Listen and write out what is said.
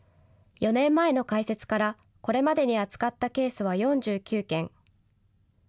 ４年前の開設からこれまでに扱ったケースは４９件。